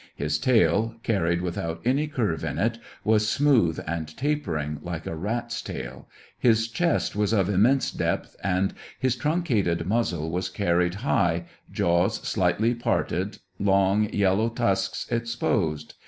His tail, carried without any curve in it, was smooth and tapering, like a rat's tail; his chest was of immense depth, and his truncated muzzle was carried high, jaws slightly parted, long, yellow tusks exposed.